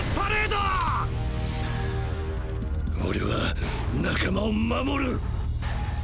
俺は仲間を守る。